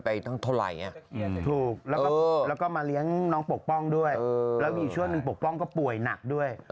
ตั้งเท่าไหร่ถูกแล้วก็มาเลี้ยงน้องปกป้องด้วยแล้วมีอยู่ช่วงหนึ่งปกป้องก็ป่วยหนักด้วย